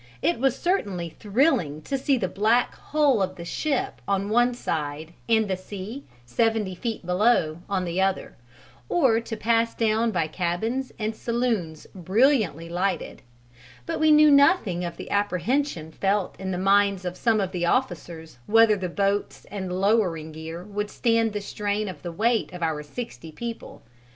It certainly was thrilling to see the black hull of the ship on one side and the sea, seventy feet below, on the other, or to pass down by cabins and saloons brilliantly lighted; but we knew nothing of the apprehension felt in the minds of some of the officers whether the boats and lowering gear would stand the strain of the weight of our sixty people.